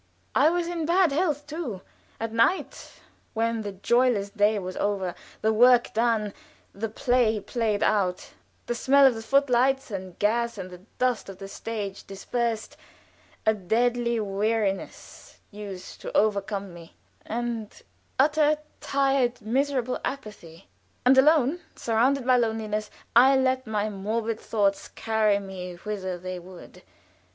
I was in bad health too. At night, when the joyless day was over, the work done, the play played out, the smell of the foot lights and gas and the dust of the stage dispersed, a deadly weariness used to overcome me; an utter, tired, miserable apathy; and alone, surrounded by loneliness, I let my morbid thoughts carry me whither they would.